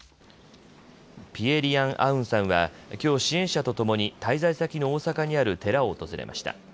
ピエ・リアン・アウンさんは、きょう支援者とともに滞在先の大阪にある寺を訪れました。